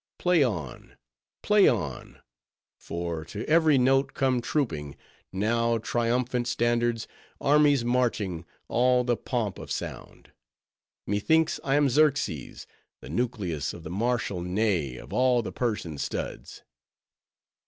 Play on, play on! for to every note come trooping, now, triumphant standards, armies marching—all the pomp of sound. Methinks I am Xerxes, the nucleus of the martial neigh of all the Persian studs.